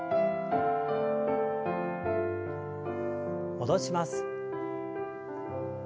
戻します。